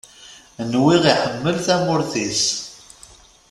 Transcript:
Nwiɣ iḥemmel tamurt-is.